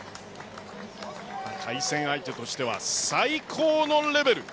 対戦相手としては最高のレベル。